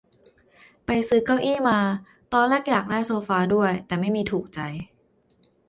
ไปซื้อเก้าอี้มา ตอนแรกอยากได้โซฟาด้วย แต่ไม่มีถูกใจ